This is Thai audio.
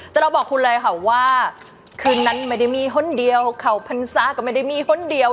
แต่เราบอกคุณเลยค่ะว่าคืนนั้นไม่ได้มีหนเดียวเขาพรรษาก็ไม่ได้มีห้นเดียว